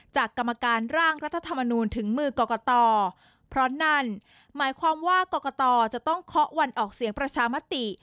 กรรมการร่างรัฐธรรมนูลถึงมือกรกตเพราะนั่นหมายความว่ากรกตจะต้องเคาะวันออกเสียงประชามติ